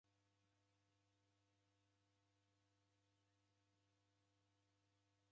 Nalombie mpaka ngolo renyu rikanyafua.